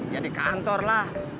ya di kantor lah